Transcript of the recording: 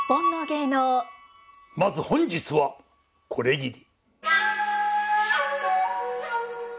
まず本日はこれぎり。